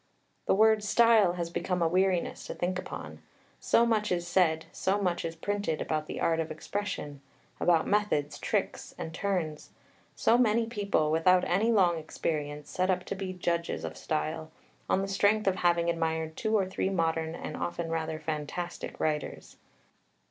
The word "style" has become a weariness to think upon; so much is said, so much is printed about the art of expression, about methods, tricks, and turns; so many people, without any long experience, set up to be judges of style, on the strength of having admired two or three modern and often rather fantastic writers.